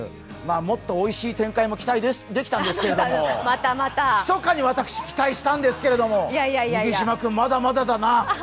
もっとおいしい展開も期待できたんですけれども、ひそかに私、期待したんですけれども、麦島君、まだまだだな。